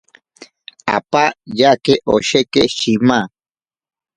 Apa yake osheki shima.